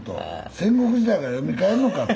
戦国時代からよみがえるのかと。